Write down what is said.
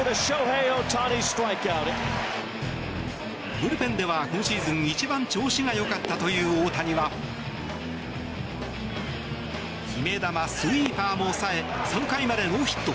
ブルペンでは今シーズン一番調子がよかったという大谷は決め球、スイーパーも冴え３回までノーヒット。